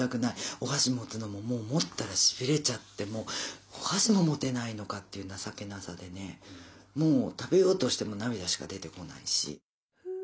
お箸持つのももう持ったらしびれちゃってお箸も持てないのかっていう情けなさでねもう食べようとしても涙しか出てこないし。